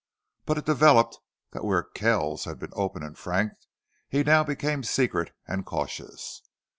But it developed that where Kells had been open and frank he now became secret and cautious.